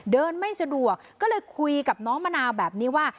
ไม่สะดวกก็เลยคุยกับน้องมะนาวแบบนี้ว่า